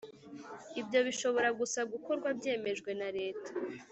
Ibyo bishobora gusa gukorwa byemejwe na leta